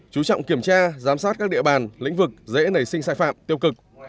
chú trọng kiểm tra giám sát các địa bàn lĩnh vực dễ nảy sinh sai phạm tiêu cực